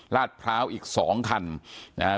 ลาดพร้าวอีก๒คันนะฮะ